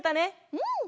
うん！